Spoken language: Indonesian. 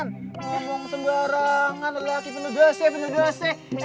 ngomong sembarangan laki penuh dosa penuh dosa